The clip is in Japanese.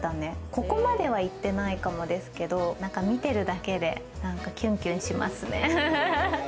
ここまではいってないかもですけど、なんか見てるだけでキュンキュンしますね。